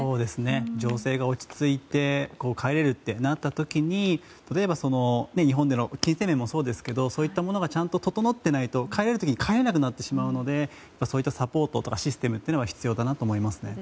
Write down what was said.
情勢が落ち着いて帰れるとなった時に例えば日本での金銭面もそうですけどそういったものがちゃんと整っていないと帰れる時に帰れなくなってしまうのでそういったサポートとかシステムというのは必要だなと思います。